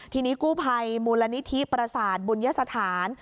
ทีนี้กู้ภัยมูลนิธิประสาทบุญยสถาน